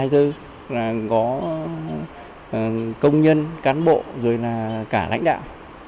các công nhân cán bộ rồi là cả lãnh đạo